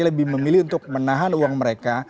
lebih memilih untuk menahan uang mereka